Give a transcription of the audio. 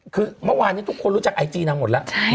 คือเมื่อวานนี้ทุกคนรู้จักไอจีนางหมดแล้ว